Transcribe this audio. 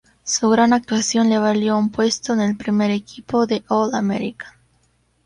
Su gran actuación le valió un puesto en el primer equipo del All-American.